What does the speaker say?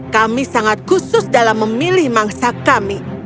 kami sangat khusus dalam memilih mangsa kami